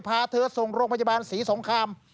พาเธอส่งโรงพยาบาลศรีสงคราม